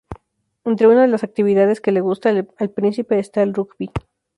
Entre una de las actividades que le gusta al príncipe está el rugby.